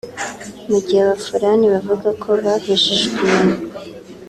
mu gihe Abafulani bavuga ko bahejejwe inyuma